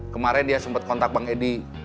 kemarin dia sempat kontak bang edi